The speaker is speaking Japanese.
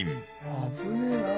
危ねえな。